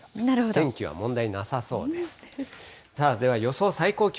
天気は問題なさそうです。